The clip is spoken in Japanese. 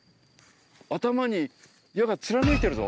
頭に矢が貫いてるぞ。